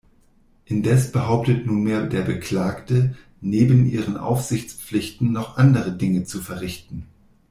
Indes behauptet nunmehr der Beklagte, neben ihren Aufsichtspflichten noch andere Dinge zu verrichten.